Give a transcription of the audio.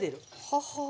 ははあ。